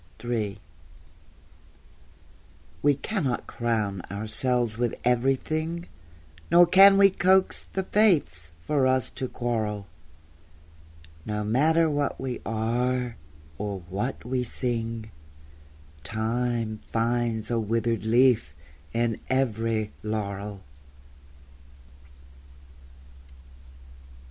III We cannot crown ourselves with everything, Nor can we coax the Fates for us to quarrel: No matter what we are, or what we sing, Time finds a withered leaf in every laurel.